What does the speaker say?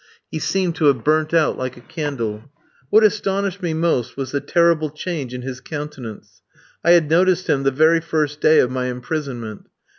He seemed to have burned out like a candle. What astonished me most was the terrible change in his countenance. I had noticed him the very first day of my imprisonment.